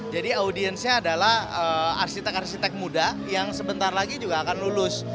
jadi audiensnya adalah arsitek arsitek muda yang sebentar lagi juga akan lulus